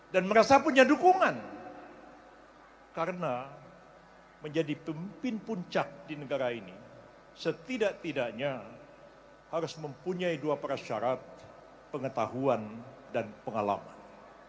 dan merasa punya dukungan karena menjadi pimpin puncak di negara ini setidak tidaknya harus mempunyai dua persyarat pengetahuan dan pengalaman